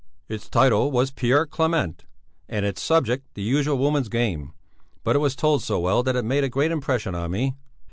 "Its title was 'Pierre Clément,' and its subject the usual woman's game. But it was told so well that it made a great impression on me."